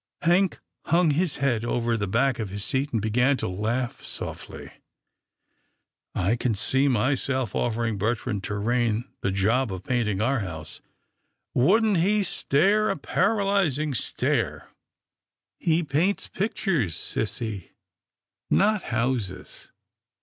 Hank hung his head over the back of the seat, and began to laugh softly. " I can see myself of fering Bertrand Torraine the job of painting our house. Wouldn't he stare a paralyzing stare? He paints pictures, sissy, not houses."